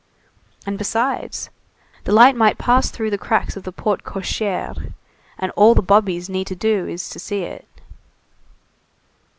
And besides, the light might pass through the cracks of the porte cochère, and all the bobbies need to do is to see it."